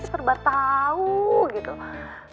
terba tau gitu